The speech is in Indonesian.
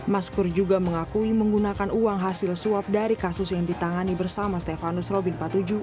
maskur juga mengakui menggunakan uang hasil suap dari kasus yang ditangani bersama stefanus robin patuju